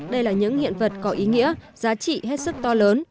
đây là những hiện vật có ý nghĩa giá trị hết sức to lớn